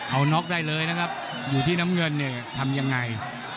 เอาน็อกได้เลยนะครับอยู่ที่น้ำเงินเนี่ยทำยังไง